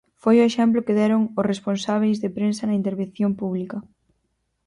Foi o exemplo que deron os responsábeis de prensa na intervención pública.